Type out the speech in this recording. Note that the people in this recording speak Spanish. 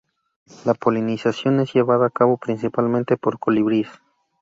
La polinización es llevada a cabo principalmente por colibríes.